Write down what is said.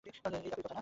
একই কথা না?